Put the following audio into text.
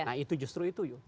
nah itu justru itu